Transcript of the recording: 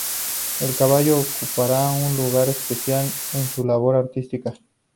El caballo ocupará un lugar especial en su labor artística.